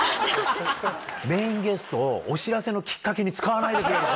メインゲストをお知らせのきっかけに使わないでくれるか？